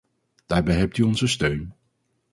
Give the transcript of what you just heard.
Daarbij hebt u onze steun.